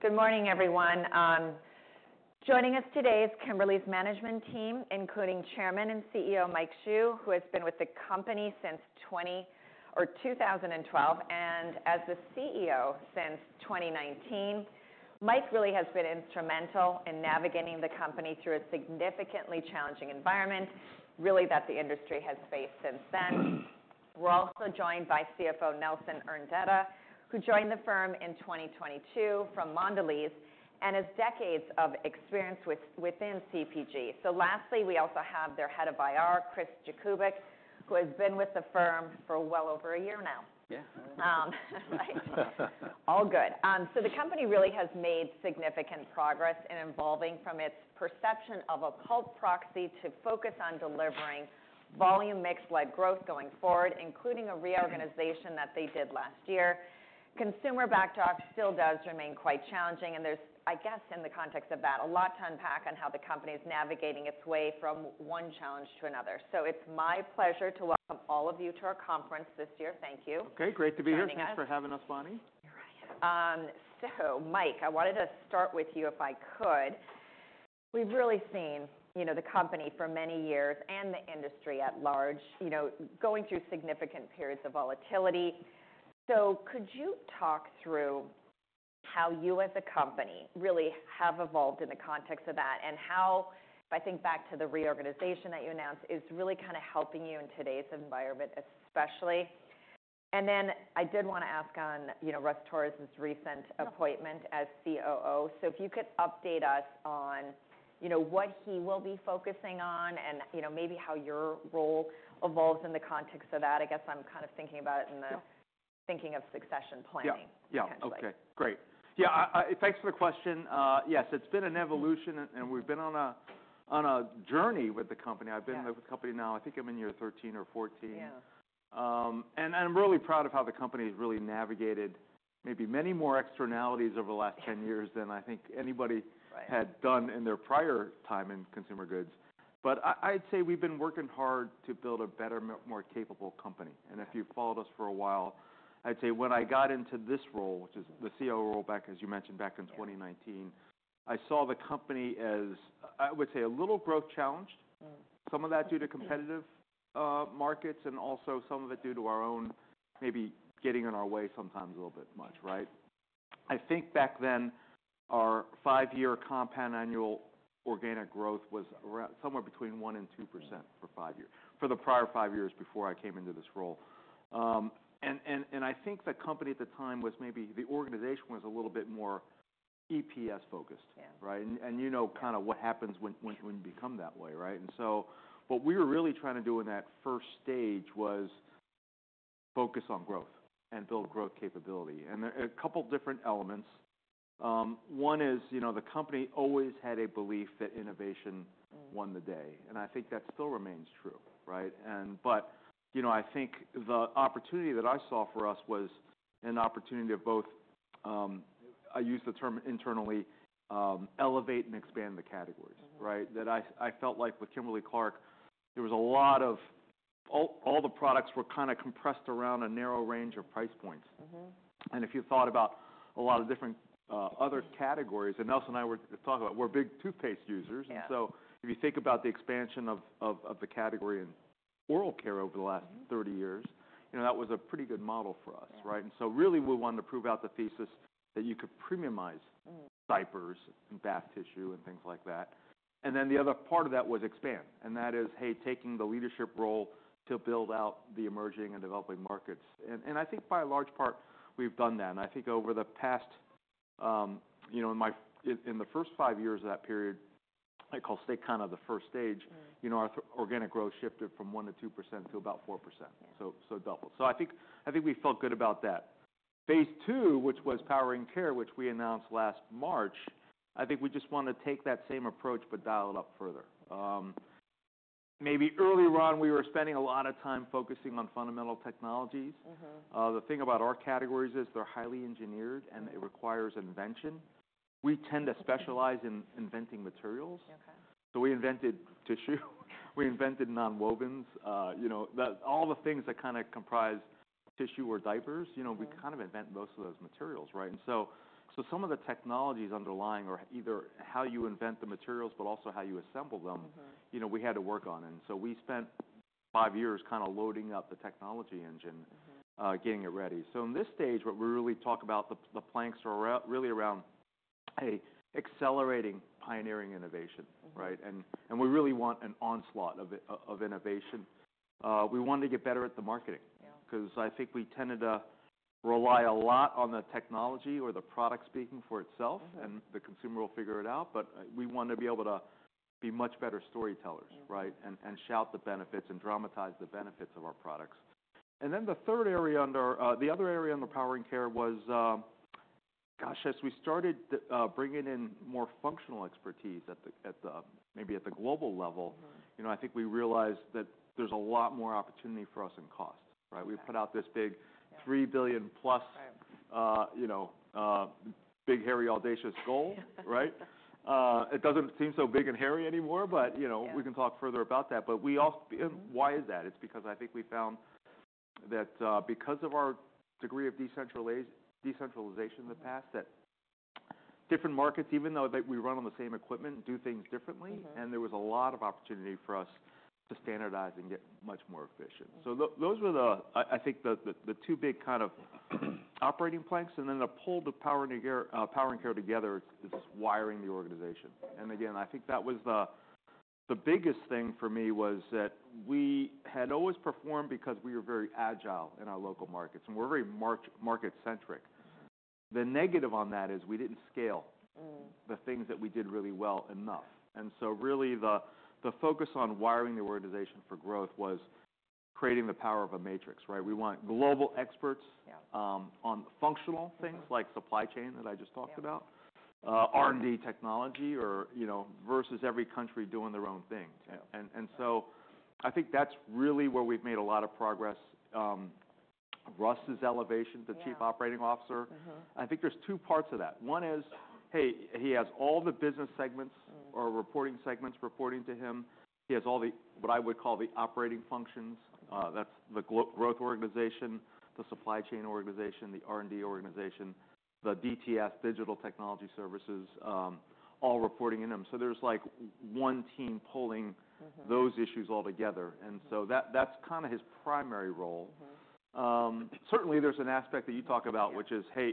Good morning, everyone. Joining us today is Kimberly's management team, including Chairman and CEO Mike Hsu, who has been with the company since 2012 and as the CEO since 2019. Mike really has been instrumental in navigating the company through a significantly challenging environment, really that the industry has faced since then. We're also joined by CFO Nelson Urdaneta, who joined the firm in 2022 from Mondelez and has decades of experience within CPG. Lastly, we also have their Head of IR, Chris Jakubik, who has been with the firm for well over a year now. Yeah. All good. The company really has made significant progress in evolving from its perception of a cult proxy to focus on delivering volume mixed-led growth going forward, including a reorganization that they did last year. Consumer backdrop still does remain quite challenging, and there's, I guess, in the context of that, a lot to unpack on how the company is navigating its way from one challenge to another. It is my pleasure to welcome all of you to our conference this year. Thank you. Okay. Great to be here. Thanks for having us, Bonnie. Mike, I wanted to start with you if I could. We've really seen the company for many years and the industry at large going through significant periods of volatility. Could you talk through how you as a company really have evolved in the context of that and how, if I think back to the reorganization that you announced, is really kind of helping you in today's environment especially? I did want to ask on Russ Torres' recent appointment as COO. If you could update us on what he will be focusing on and maybe how your role evolves in the context of that. I guess I'm kind of thinking about it in the thinking of succession planning potentially. Yeah. Okay. Great. Yeah. Thanks for the question. Yes, it's been an evolution, and we've been on a journey with the company. I've been with the company now, I think I'm in year 13 or 14. I'm really proud of how the company has really navigated maybe many more externalities over the last 10 years than I think anybody had done in their prior time in consumer goods. I'd say we've been working hard to build a better, more capable company. If you've followed us for a while, I'd say when I got into this role, which is the COO role, as you mentioned, back in 2019, I saw the company as, I would say, a little growth challenged, some of that due to competitive markets and also some of it due to our own maybe getting in our way sometimes a little bit much, right? I think back then our five-year compound annual organic growth was somewhere between 1% and 2% for the prior five years before I came into this role. I think the company at the time was maybe the organization was a little bit more EPS-focused, right? You know kind of what happens when you become that way, right? What we were really trying to do in that first stage was focus on growth and build growth capability. There are a couple of different elements. One is the company always had a belief that innovation won the day. I think that still remains true, right? I think the opportunity that I saw for us was an opportunity to both, I use the term internally, elevate and expand the categories, right? That I felt like with Kimberly-Clark, there was a lot of all the products were kind of compressed around a narrow range of price points. If you thought about a lot of different other categories, and Nelson and I were talking about, we're big toothpaste users. If you think about the expansion of the category in oral care over the last 30 years, that was a pretty good model for us, right? Really we wanted to prove out the thesis that you could premiumize diapers and bath tissue and things like that. The other part of that was expand. That is, hey, taking the leadership role to build out the emerging and developing markets. I think by a large part we've done that. I think over the past, in the first five years of that period, I call stay kind of the first stage, our organic growth shifted from 1%-2% to about 4%. So doubled. I think we felt good about that. Phase II, which was powering care, which we announced last March, I think we just wanted to take that same approach but dial it up further. Maybe early on, we were spending a lot of time focusing on fundamental technologies. The thing about our categories is they're highly engineered and it requires invention. We tend to specialize in inventing materials. We invented tissue. We invented nonwovens. All the things that kind of comprise tissue or diapers, we kind of invent most of those materials, right? Some of the technologies underlying are either how you invent the materials but also how you assemble them, we had to work on. We spent five years kind of loading up the technology engine, getting it ready. In this stage, what we really talk about, the planks are really around accelerating pioneering innovation, right? We really want an onslaught of innovation. We wanted to get better at the marketing because I think we tended to rely a lot on the technology or the product speaking for itself, and the consumer will figure it out. We wanted to be able to be much better storytellers, right, and shout the benefits and dramatize the benefits of our products. The third area under the other area under powering care was, gosh, as we started bringing in more functional expertise at maybe at the global level, I think we realized that there's a lot more opportunity for us in cost, right? We put out this big $3 billion+ big hairy audacious goal, right? It doesn't seem so big and hairy anymore, but we can talk further about that. Why is that? It's because I think we found that because of our degree of decentralization in the past, different markets, even though we run on the same equipment, do things differently. There was a lot of opportunity for us to standardize and get much more efficient. Those were, I think, the two big kind of operating planks. To pull the powering care together is wiring the organization. I think that was the biggest thing for me was that we had always performed because we were very agile in our local markets and we are very market-centric. The negative on that is we did not scale the things that we did really well enough. Really the focus on wiring the organization for growth was creating the power of a matrix, right? We want global experts on functional things like supply chain that I just talked about, R&D technology versus every country doing their own thing. I think that is really where we have made a lot of progress. Russ's elevation to Chief Operating Officer, I think there are two parts of that. One is, hey, he has all the business segments or reporting segments reporting to him. He has all the what I would call the operating functions. That's the growth organization, the supply chain organization, the R&D organization, the DTS, Digital Technology Services, all reporting in them. There is like one team pulling those issues all together. That is kind of his primary role. Certainly, there is an aspect that you talk about, which is, hey,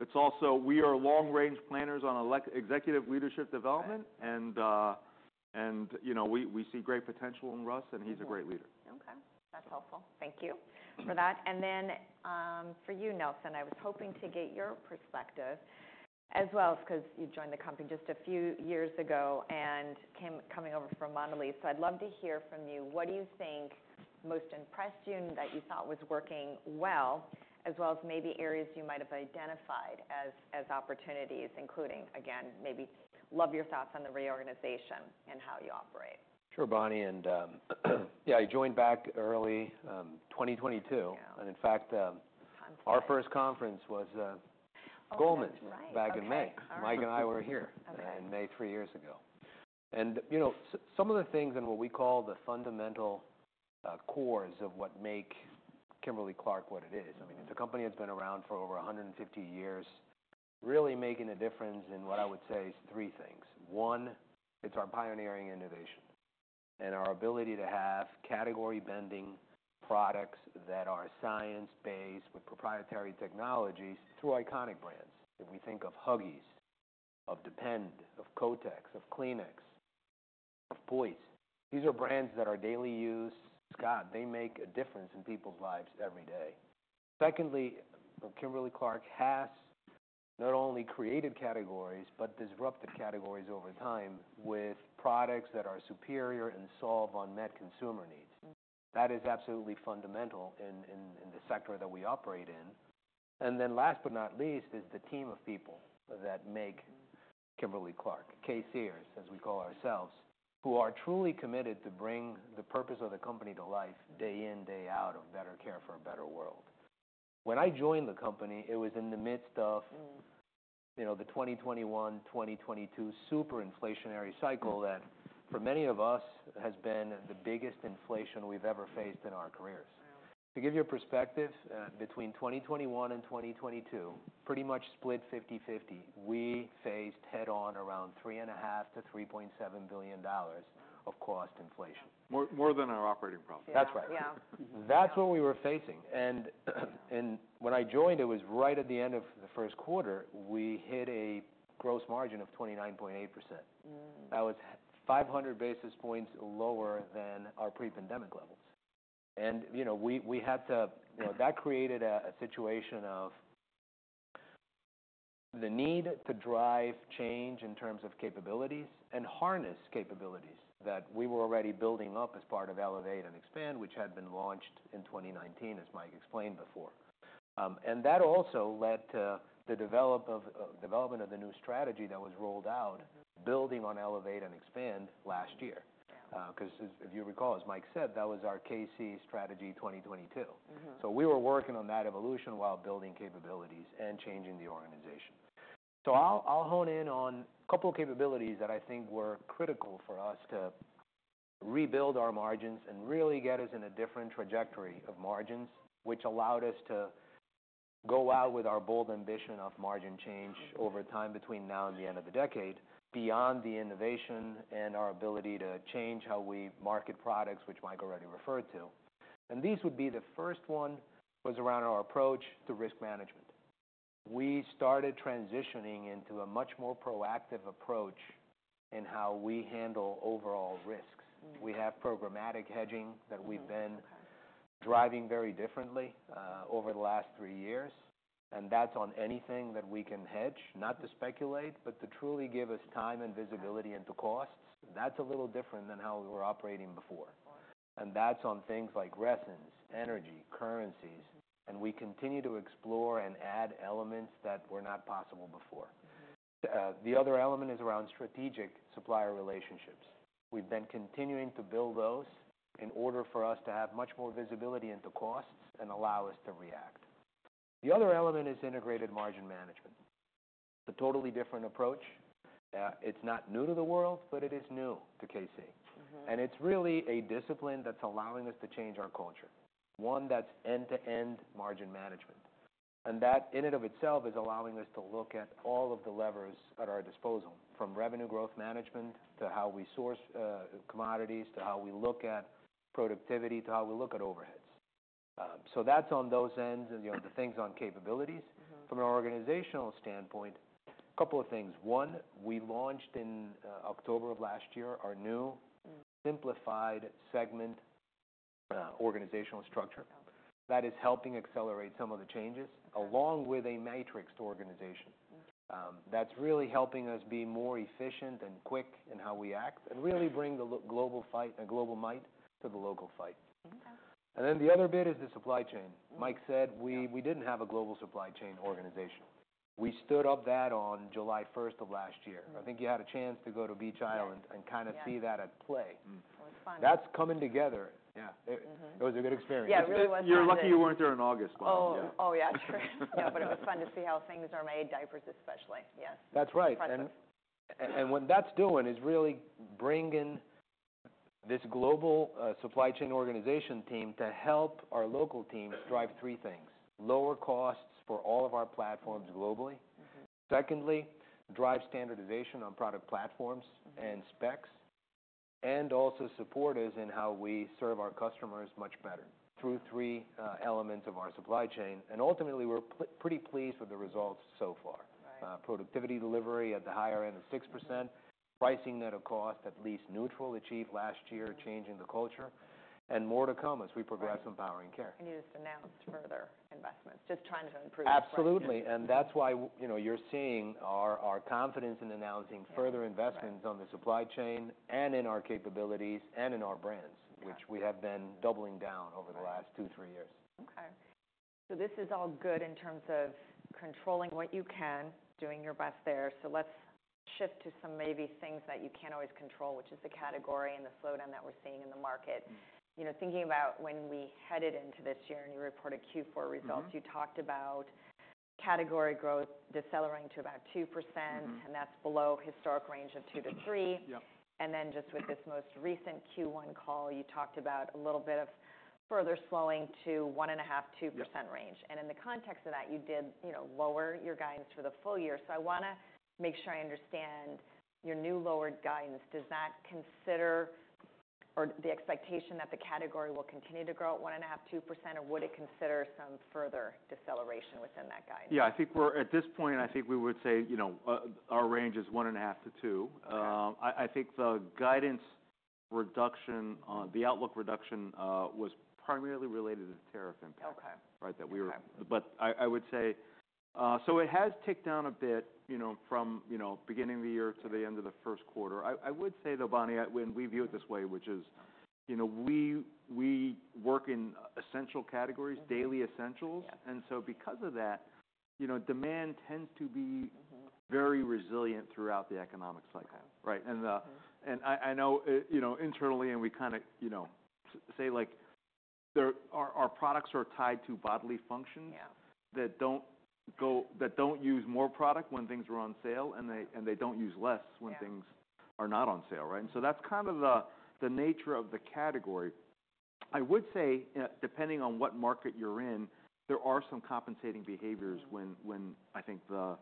it is also we are long-range planners on executive leadership development, and we see great potential in Russ, and he is a great leader. Okay. That's helpful. Thank you for that. For you, Nelson, I was hoping to get your perspective as well because you joined the company just a few years ago and coming over from Mondelez. I'd love to hear from you. What do you think most impressed you and that you thought was working well, as well as maybe areas you might have identified as opportunities, including, again, maybe love your thoughts on the reorganization and how you operate. Sure, Bonnie. Yeah, I joined back early 2022. In fact, our first conference was Goldman Sachs back in May. Mike and I were here in May three years ago. Some of the things and what we call the fundamental cores of what make Kimberly-Clark what it is. I mean, it's a company that's been around for over 150 years, really making a difference in what I would say is three things. One, it's our pioneering innovation and our ability to have category-bending products that are science-based with proprietary technologies through iconic brands. If we think of Huggies, of Depend, of Kotex, of Kleenex, of Poise, these are brands that are daily use. God, they make a difference in people's lives every day. Secondly, Kimberly-Clark has not only created categories but disrupted categories over time with products that are superior and solve unmet consumer needs. That is absolutely fundamental in the sector that we operate in. Last but not least is the team of people that make Kimberly-Clark, K-Ceers, as we call ourselves, who are truly committed to bring the purpose of the company to life day in, day out of better care for a better world. When I joined the company, it was in the midst of the 2021, 2022 super inflationary cycle that for many of us has been the biggest inflation we have ever faced in our careers. To give you a perspective, between 2021 and 2022, pretty much split 50/50, we faced head-on around $3.5 billion-$3.7 billion of cost inflation. More than our operating profit. That is right. That is what we were facing. When I joined, it was right at the end of the first quarter, we hit a gross margin of 29.8%. That was 500 basis points lower than our pre-pandemic levels. We had to, that created a situation of the need to drive change in terms of capabilities and harness capabilities that we were already building up as part of Elevate and Expand, which had been launched in 2019, as Mike explained before. That also led to the development of the new strategy that was rolled out, building on Elevate and Expand last year. Because if you recall, as Mike said, that was our K-C strategy 2022. We were working on that evolution while building capabilities and changing the organization. I'll hone in on a couple of capabilities that I think were critical for us to rebuild our margins and really get us in a different trajectory of margins, which allowed us to go out with our bold ambition of margin change over time between now and the end of the decade beyond the innovation and our ability to change how we market products, which Mike already referred to. These would be the first one was around our approach to risk management. We started transitioning into a much more proactive approach in how we handle overall risks. We have programmatic hedging that we've been driving very differently over the last three years. That's on anything that we can hedge, not to speculate, but to truly give us time and visibility into costs. That's a little different than how we were operating before. That is on things like resins, energy, currencies. We continue to explore and add elements that were not possible before. The other element is around strategic supplier relationships. We have been continuing to build those in order for us to have much more visibility into costs and allow us to react. The other element is integrated margin management. It is a totally different approach. It is not new to the world, but it is new to K-C. It is really a discipline that is allowing us to change our culture, one that is end-to-end margin management. That in and of itself is allowing us to look at all of the levers at our disposal, from revenue growth management to how we source commodities, to how we look at productivity, to how we look at overheads. That is on those ends and the things on capabilities. From an organizational standpoint, a couple of things. One, we launched in October of last year our new simplified segment organizational structure that is helping accelerate some of the changes along with a matrixed organization. That is really helping us be more efficient and quick in how we act and really bring the global fight and global might to the local fight. The other bit is the supply chain. Mike said we did not have a global supply chain organization. We stood up that on July 1st of last year. I think you had a chance to go to Beach Island and kind of see that at play. That is coming together. Yeah. It was a good experience. You are lucky you were not there in August, Bonnie. Oh, yeah. It was fun to see how things are made, diapers especially. Yes. That's right. What that's doing is really bringing this global supply chain organization team to help our local teams drive three things: lower costs for all of our platforms globally, drive standardization on product platforms and specs, and also support us in how we serve our customers much better through three elements of our supply chain. Ultimately, we're pretty pleased with the results so far. Productivity delivery at the higher end of 6%, pricing that a cost at least neutral achieved last year, changing the culture, and more to come as we progress on powering care. You just announced further investments, just trying to improve the. Absolutely. That is why you're seeing our confidence in announcing further investments on the supply chain and in our capabilities and in our brands, which we have been doubling down over the last two, three years. Okay. This is all good in terms of controlling what you can, doing your best there. Let's shift to some maybe things that you can't always control, which is the category and the slowdown that we're seeing in the market. Thinking about when we headed into this year and you reported Q4 results, you talked about category growth decelerating to about 2%, and that's below the historic range of 2%-3%. With this most recent Q1 call, you talked about a little bit of further slowing to the 1.5%-2% range. In the context of that, you did lower your guidance for the full year. I want to make sure I understand your new lowered guidance. Does that consider the expectation that the category will continue to grow at 1.5%-2%, or would it consider some further deceleration within that guidance? Yeah. I think we're at this point, I think we would say our range is 1.5%-2%. I think the guidance reduction, the outlook reduction was primarily related to the tariff impact, right? I would say it has ticked down a bit from beginning of the year to the end of the first quarter. I would say though, Bonnie, when we view it this way, which is we work in essential categories, daily essentials. Because of that, demand tends to be very resilient throughout the economic cycle, right? I know internally, and we kind of say our products are tied to bodily functions that do not use more product when things are on sale, and they do not use less when things are not on sale, right? That is kind of the nature of the category. I would say depending on what market you're in, there are some compensating behaviors when I think the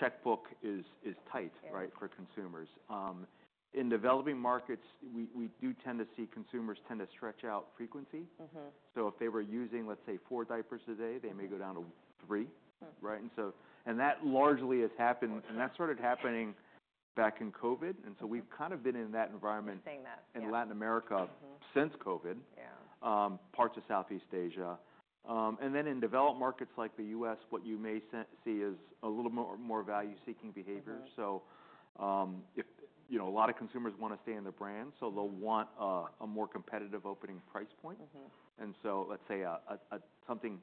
checkbook is tight, right, for consumers. In developing markets, we do tend to see consumers tend to stretch out frequency. If they were using, let's say, four diapers a day, they may go down to three, right? That largely has happened, and that started happening back in COVID. We have kind of been in that environment in Latin America since COVID, parts of Southeast Asia. In developed markets like the U.S., what you may see is a little more value-seeking behavior. A lot of consumers want to stay in the brand, so they'll want a more competitive opening price point. Let's say something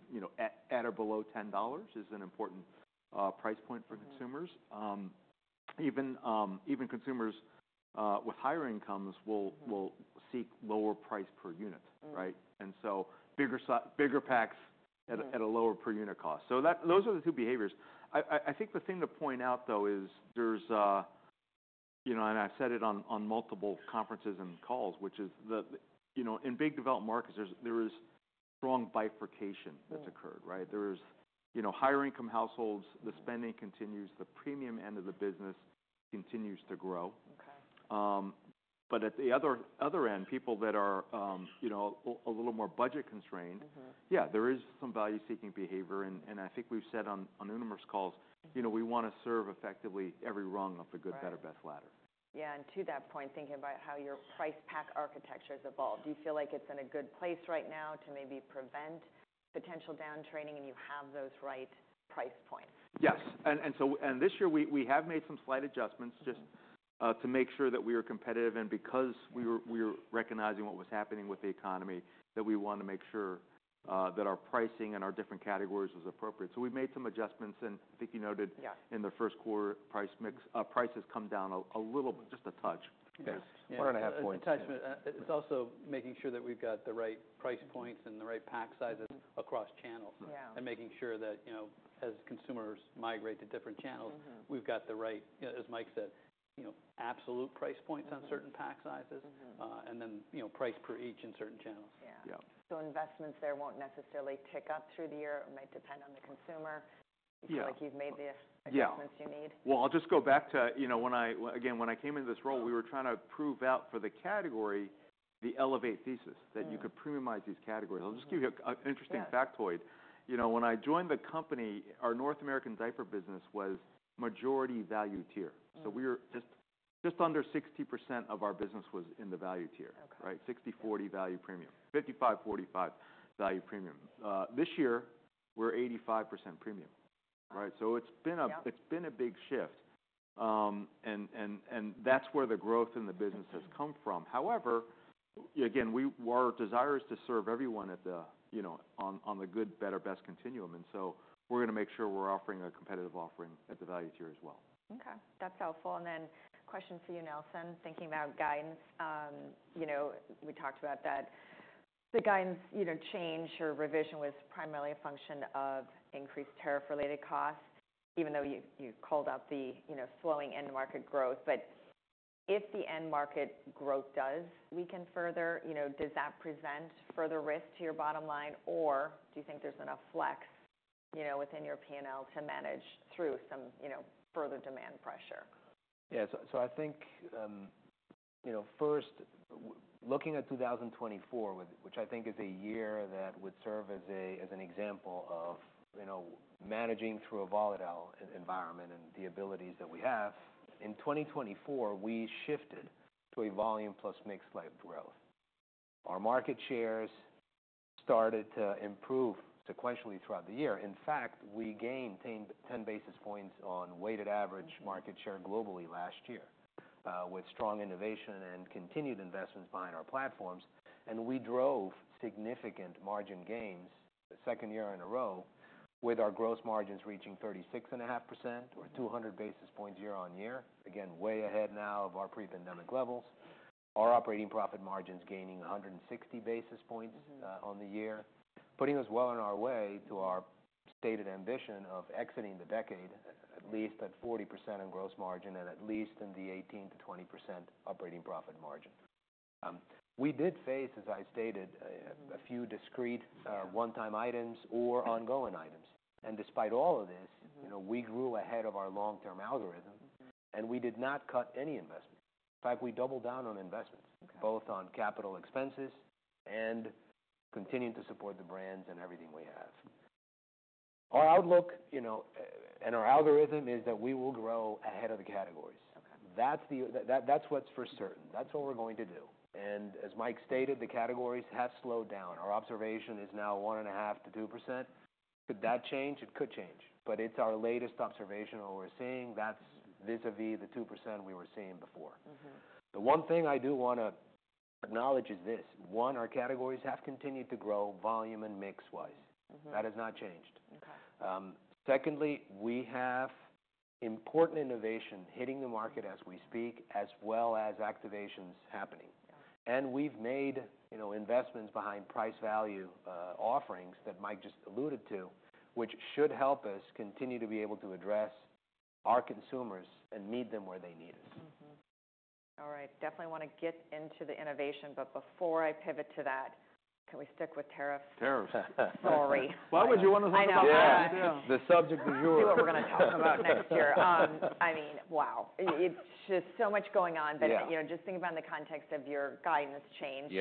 at or below $10 is an important price point for consumers. Even consumers with higher incomes will seek lower price per unit, right? Bigger packs at a lower per unit cost. Those are the two behaviors. I think the thing to point out though is there's, and I've said it on multiple conferences and calls, which is in big developed markets, there is strong bifurcation that's occurred, right? Higher income households, the spending continues, the premium end of the business continues to grow. At the other end, people that are a little more budget constrained, yeah, there is some value-seeking behavior. I think we've said on numerous calls, we want to serve effectively every rung of the good, better, best ladder. Yeah. And to that point, thinking about how your price pack architecture's evolved, do you feel like it's in a good place right now to maybe prevent potential downtrading and you have those right price points? Yes. This year, we have made some slight adjustments just to make sure that we are competitive. Because we were recognizing what was happening with the economy, we want to make sure that our pricing and our different categories was appropriate. We made some adjustments. I think you noted in the first quarter, prices come down a little bit, just a touch. One and a half points. It's also making sure that we've got the right price points and the right pack sizes across channels and making sure that as consumers migrate to different channels, we've got the right, as Mike said, absolute price points on certain pack sizes and then price per each in certain channels. Investments there will not necessarily tick up through the year. It might depend on the consumer. You feel like you have made the investments you need? Yeah. I'll just go back to, again, when I came into this role, we were trying to prove out for the category the Elevate thesis that you could premiumize these categories. I'll just give you an interesting factoid. When I joined the company, our North American diaper business was majority value tier. Just under 60% of our business was in the value tier, right? 60/40 value premium, 55/45 value premium. This year, we're 85% premium, right? It has been a big shift. That is where the growth in the business has come from. However, again, our desire is to serve everyone on the good, better, best continuum. We are going to make sure we are offering a competitive offering at the value tier as well. Okay. That's helpful. Then question for you, Nelson, thinking about guidance. We talked about that the guidance change or revision was primarily a function of increased tariff-related costs, even though you called out the slowing end market growth. If the end market growth does weaken further, does that present further risk to your bottom line, or do you think there's enough flex within your P&L to manage through some further demand pressure? Yeah. I think first, looking at 2024, which I think is a year that would serve as an example of managing through a volatile environment and the abilities that we have, in 2024, we shifted to a volume plus mixed life growth. Our market shares started to improve sequentially throughout the year. In fact, we gained 10 basis points on weighted average market share globally last year with strong innovation and continued investments behind our platforms. We drove significant margin gains the second year in a row, with our gross margins reaching 36.5% or 200 basis points year-on-year, again, way ahead now of our pre-pandemic levels. Our operating profit margins gaining 160 basis points on the year, putting us well on our way to our stated ambition of exiting the decade, at least at 40% on gross margin and at least in the 18%-20% operating profit margin. We did face, as I stated, a few discrete one-time items or ongoing items. Despite all of this, we grew ahead of our long-term algorithm, and we did not cut any investments. In fact, we doubled down on investments, both on capital expenses and continuing to support the brands and everything we have. Our outlook and our algorithm is that we will grow ahead of the categories. That's what's for certain. That's what we're going to do. As Mike stated, the categories have slowed down. Our observation is now 1.5%-2%. Could that change? It could change. It is our latest observation or we are seeing that vis-à-vis the 2% we were seeing before. The one thing I do want to acknowledge is this: one, our categories have continued to grow volume and mix-wise. That has not changed. Secondly, we have important innovation hitting the market as we speak, as well as activations happening. We have made investments behind price value offerings that Mike just alluded to, which should help us continue to be able to address our consumers and meet them where they need us. All right. Definitely want to get into the innovation. Before I pivot to that, can we stick with tariffs? Tariffs. Sorry. Why would you want to talk about that? The subject is yours. We're going to talk about next year. I mean, wow. It's just so much going on. But just thinking about in the context of your guidance change,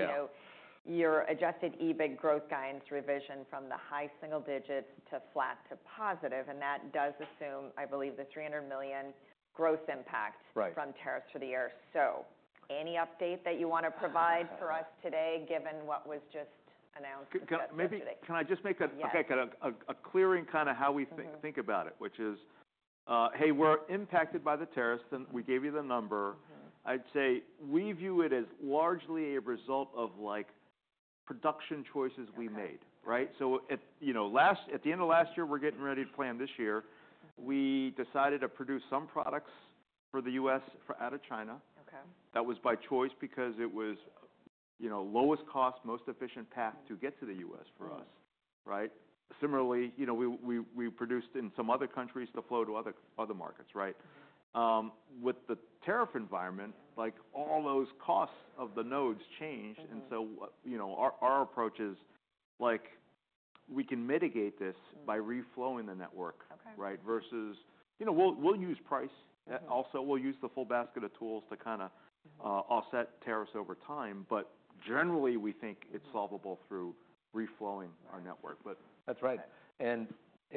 your adjusted EBIT growth guidance revision from the high single digits to flat to positive. And that does assume, I believe, the $300 million gross impact from tariffs for the year. So any update that you want to provide for us today, given what was just announced yesterday? Can I just make a clearing kind of how we think about it, which is, hey, we're impacted by the tariffs. And we gave you the number. I'd say we view it as largely a result of production choices we made, right? At the end of last year, we're getting ready to plan this year. We decided to produce some products for the US out of China. That was by choice because it was lowest cost, most efficient path to get to the US for us, right? Similarly, we produced in some other countries to flow to other markets, right? With the tariff environment, all those costs of the nodes changed. Our approach is we can mitigate this by reflowing the network, right? Versus we'll use price. Also, we'll use the full basket of tools to kind of offset tariffs over time. Generally, we think it's solvable through reflowing our network. That's right.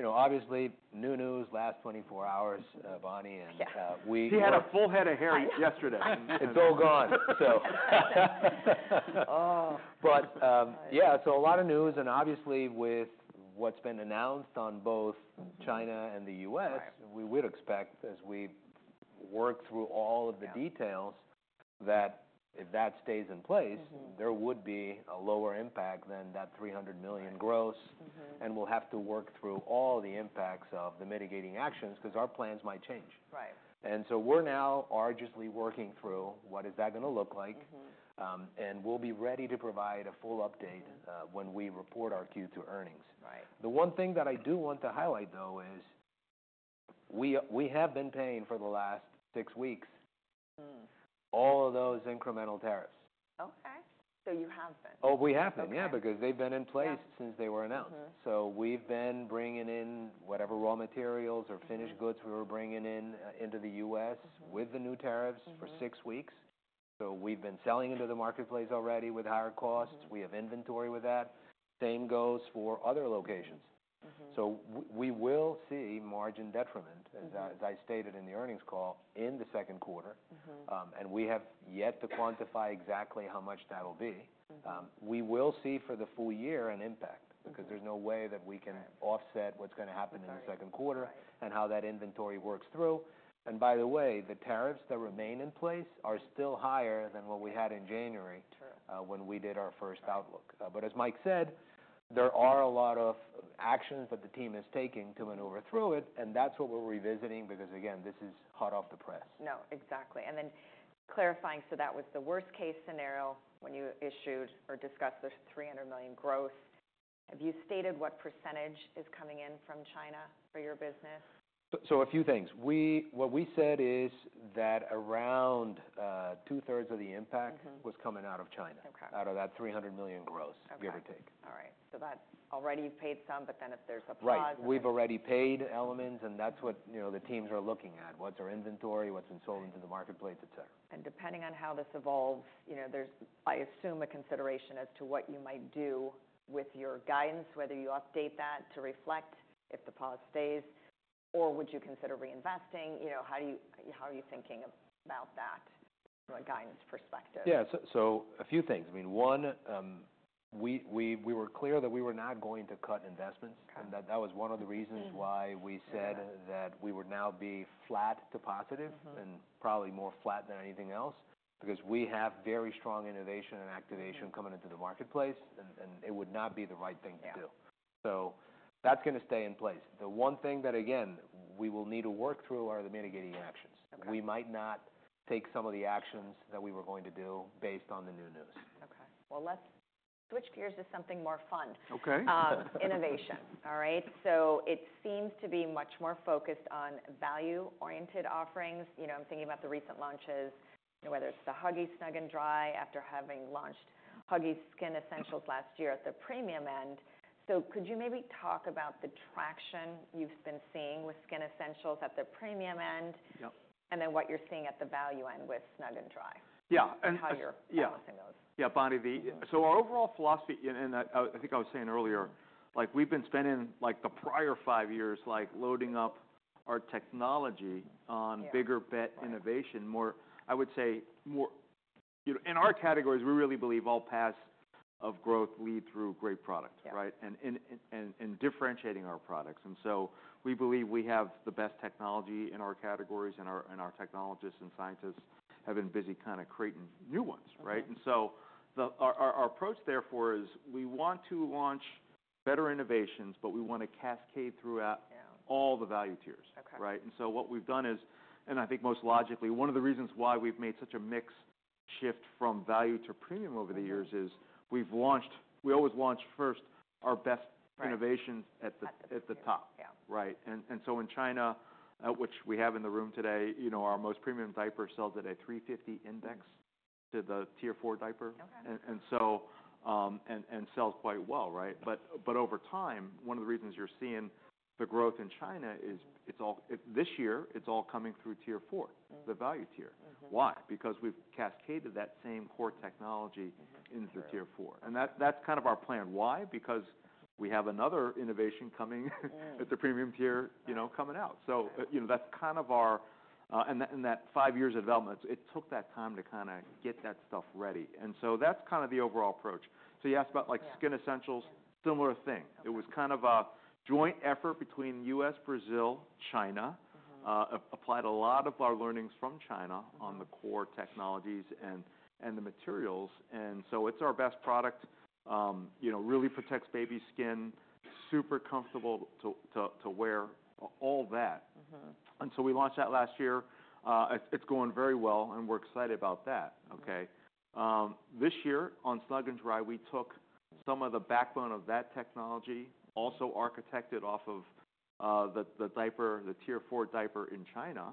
Obviously, new news last 24 hours, Bonnie, and we. She had a full head of hair yesterday. It's all gone, so. Yeah, a lot of news. Obviously, with what's been announced on both China and the U.S., we would expect, as we work through all of the details, that if that stays in place, there would be a lower impact than that $300 million gross. We'll have to work through all the impacts of the mitigating actions because our plans might change. We're now arduously working through what is that going to look like. We'll be ready to provide a full update when we report our Q2 earnings. The one thing that I do want to highlight, though, is we have been paying for the last six weeks all of those incremental tariffs. Okay. So you have been. Oh, we have been. Yeah, because they've been in place since they were announced. We've been bringing in whatever raw materials or finished goods we were bringing into the U.S. with the new tariffs for six weeks. We've been selling into the marketplace already with higher costs. We have inventory with that. Same goes for other locations. We will see margin detriment, as I stated in the earnings call in the second quarter. We have yet to quantify exactly how much that will be. We will see for the full year an impact because there's no way that we can offset what's going to happen in the second quarter and how that inventory works through. By the way, the tariffs that remain in place are still higher than what we had in January when we did our first outlook. As Mike said, there are a lot of actions that the team is taking to maneuver through it. That is what we're revisiting because, again, this is hot off the press. No, exactly. Clarifying, that was the worst-case scenario when you issued or discussed the $300 million gross. Have you stated what percentage is coming in from China for your business? A few things. What we said is that around 2/3 of the impact was coming out of China, out of that $300 million gross, give or take. All right. So that's already paid some, but then if there's a pause. Right. We've already paid elements, and that's what the teams are looking at: what's our inventory, what's been sold into the marketplace, etc. Depending on how this evolves, there's, I assume, a consideration as to what you might do with your guidance, whether you update that to reflect if the pause stays, or would you consider reinvesting? How are you thinking about that from a guidance perspective? Yeah. A few things. I mean, one, we were clear that we were not going to cut investments. That was one of the reasons why we said that we would now be flat to positive and probably more flat than anything else because we have very strong innovation and activation coming into the marketplace, and it would not be the right thing to do. That is going to stay in place. The one thing that, again, we will need to work through are the mitigating actions. We might not take some of the actions that we were going to do based on the new news. Okay. Let's switch gears to something more fun: innovation. All right? It seems to be much more focused on value-oriented offerings. I'm thinking about the recent launches, whether it's the Huggies Snug & Dry after having launched Huggies Skin Essentials last year at the premium end. Could you maybe talk about the traction you've been seeing with Skin Essentials at the premium end and then what you're seeing at the value end with Snug & Dry? Yeah. How you're balancing those? Yeah, Bonnie, so our overall philosophy, and I think I was saying earlier, we've been spending the prior five years loading up our technology on bigger bet innovation, I would say, more. In our categories, we really believe all paths of growth lead through great product, right, and differentiating our products. We believe we have the best technology in our categories, and our technologists and scientists have been busy kind of creating new ones, right? Our approach, therefore, is we want to launch better innovations, but we want to cascade throughout all the value tiers, right? What we've done is, and I think most logically, one of the reasons why we've made such a mixed shift from value to premium over the years is we've launched—we always launch first our best innovations at the top, right? In China, which we have in the room today, our most premium diaper sells at a 350 index to the tier four diaper and sells quite well, right? Over time, one of the reasons you're seeing the growth in China is this year, it's all coming through tier four, the value tier. Why? Because we've cascaded that same core technology into the tier four. That's kind of our plan. Why? Because we have another innovation coming at the premium tier coming out. That's kind of our—and that five years of development, it took that time to kind of get that stuff ready. That's kind of the overall approach. You asked about Skin Essentials, similar thing. It was kind of a joint effort between U.S., Brazil, China, applied a lot of our learnings from China on the core technologies and the materials. It's our best product, really protects baby skin, super comfortable to wear, all that. We launched that last year. It's going very well, and we're excited about that. This year on Snug & Dry, we took some of the backbone of that technology, also architected off of the diaper, the tier four diaper in China.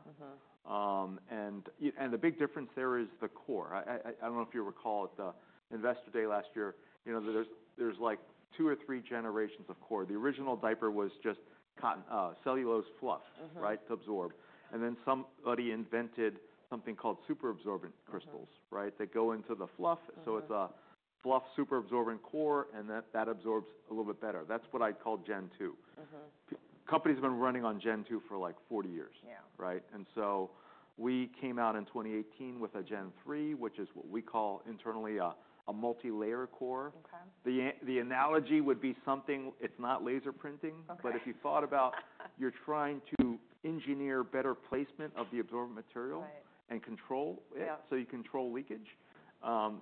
The big difference there is the core. I don't know if you recall at the investor day last year, there are two or three generations of core. The original diaper was just cellulose fluff to absorb. Then somebody invented something called super absorbent crystals that go into the fluff. It's a fluff super absorbent core, and that absorbs a little bit better. That's what I'd call Gen 2. Companies have been running on Gen 2 for like 40 years. We came out in 2018 with a Gen 3, which is what we call internally a multi-layer core. The analogy would be something—it's not laser printing, but if you thought about you're trying to engineer better placement of the absorbent material and control it so you control leakage,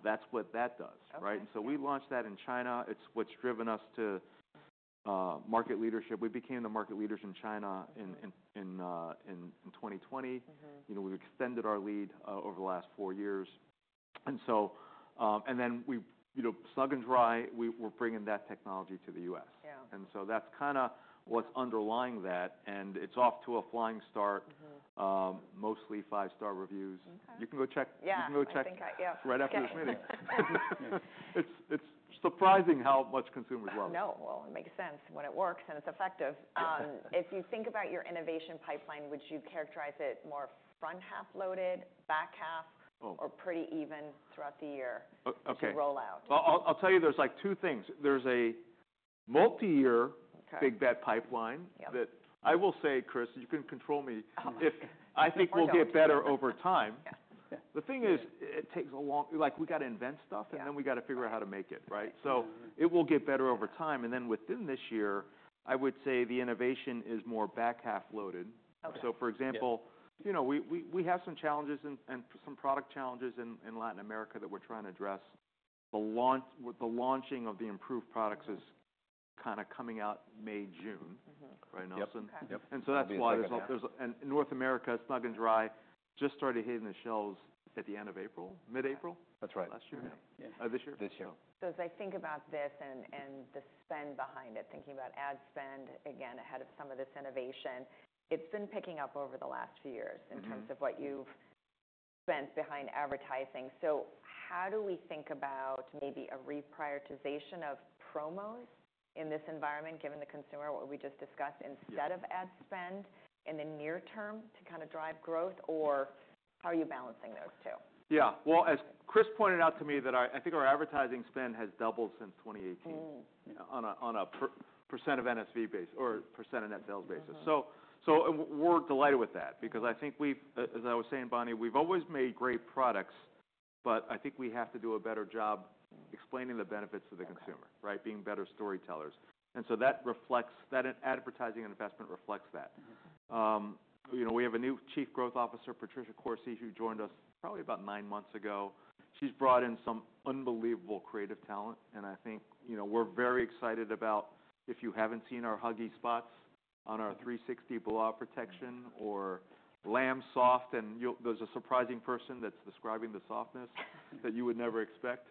that's what that does, right? We launched that in China. It's what's driven us to market leadership. We became the market leaders in China in 2020. We've extended our lead over the last four years. Snug & Dry, we're bringing that technology to the U.S. That's kind of what's underlying that. It's off to a flying start, mostly five-star reviews. You can go check. Yeah, I was thinking right after this meeting. It's surprising how much consumers love. I know. It makes sense when it works and it's effective. If you think about your innovation pipeline, would you characterize it more front half loaded, back half, or pretty even throughout the year to roll out? I'll tell you, there's two things. There's a multi-year big bet pipeline that I will say, Chris, you can control me. I think we'll get better over time. The thing is, it takes a long time—we got to invent stuff, and then we got to figure out how to make it, right? It will get better over time. Within this year, I would say the innovation is more back half loaded. For example, we have some challenges and some product challenges in Latin America that we're trying to address. The launching of the improved products is kind of coming out May, June, right? That's why there's—and North America Snug & Dry just started hitting the shelves at the end of April, mid-April last year. That's right. This year. This year. As I think about this and the spend behind it, thinking about ad spend, again, ahead of some of this innovation, it's been picking up over the last few years in terms of what you've spent behind advertising. How do we think about maybe a reprioritization of promos in this environment, given the consumer, what we just discussed, instead of ad spend in the near term to kind of drive growth? Or how are you balancing those two? Yeah. As Chris pointed out to me, I think our advertising spend has doubled since 2018 on a percent of NSV base or percent of net sales basis. We are delighted with that because I think we have—as I was saying, Bonnie, we have always made great products, but I think we have to do a better job explaining the benefits to the consumer, right, being better storytellers. That advertising investment reflects that. We have a new Chief Growth Officer, Patricia Corsi, who joined us probably about nine months ago. She has brought in some unbelievable creative talent. I think we are very excited about if you have not seen our Huggies spots on our 360 blowout protection or lamb soft. There is a surprising person that is describing the softness that you would never expect.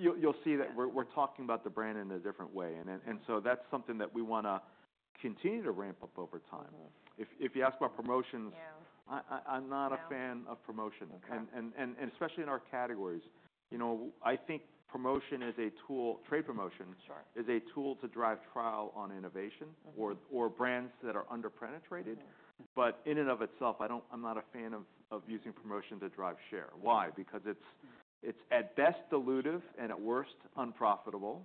You will see that we are talking about the brand in a different way. That is something that we want to continue to ramp up over time. If you ask about promotions, I am not a fan of promotion, and especially in our categories. I think promotion is a tool, trade promotion is a tool to drive trial on innovation or brands that are under-penetrated. In and of itself, I am not a fan of using promotion to drive share. Why? Because it is at best dilutive and at worst unprofitable.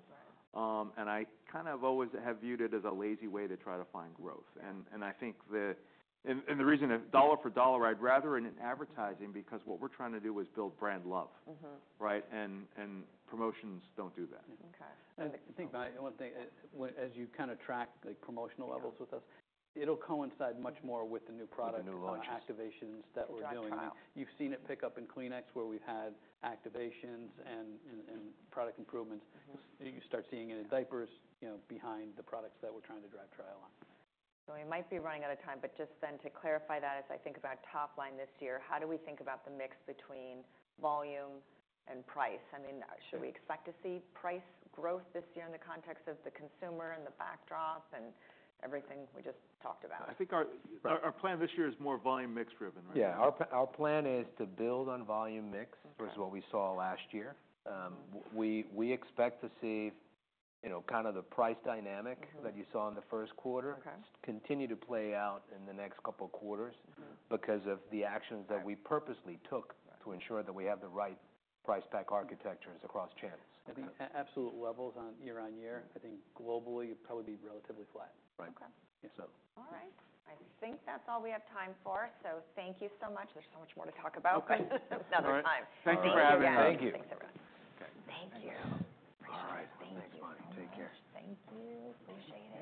I kind of always have viewed it as a lazy way to try to find growth. I think the reason dollar for dollar, I would rather in advertising because what we are trying to do is build brand love, right? Promotions do not do that. I think one thing, as you kind of track the promotional levels with us, it'll coincide much more with the new product activations that we're doing. You've seen it pick up in Kleenex where we've had activations and product improvements. You start seeing it in diapers behind the products that we're trying to drive trial on. We might be running out of time, but just to clarify that as I think about top line this year, how do we think about the mix between volume and price? I mean, should we expect to see price growth this year in the context of the consumer and the backdrop and everything we just talked about? I think our plan this year is more volume mix driven, right? Yeah. Our plan is to build on volume mix versus what we saw last year. We expect to see kind of the price dynamic that you saw in the first quarter continue to play out in the next couple of quarters because of the actions that we purposely took to ensure that we have the right price pack architectures across channels. I think absolute levels on year on year, I think globally would probably be relatively flat. Right. All right. I think that's all we have time for. Thank you so much. There's so much more to talk about, but another time. Thank you for having me. Thank you. Thanks, everyone. Thank you. All right. Thank you. Thanks, Bonnie. Take care. Thank you. Appreciate it.